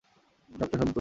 সবচেয়ে সুন্দর, তুমিই।